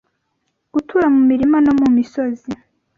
gutura mu mirima no mu misozi